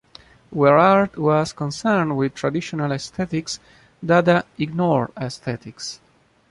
Where art was concerned with traditional aesthetics, Dada ignored aesthetics.